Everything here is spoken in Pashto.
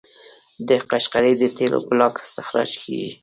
د قشقري د تیلو بلاک استخراج کیږي.